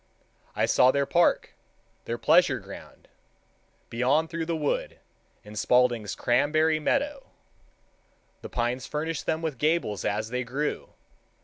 I saw their park, their pleasure ground, beyond through the wood, in Spaulding's cranberry meadow. The pines furnished them with gables as they grew.